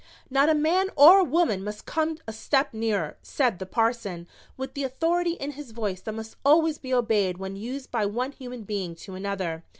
Not a man or a woman must come a step nearer," said the parson, with the authority in his voice that must always be obeyed when used by one human being to another.